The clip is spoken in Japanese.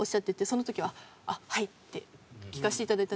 その時は「あっはい」って聞かせて頂いたんですけど。